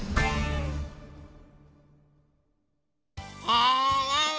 あワンワン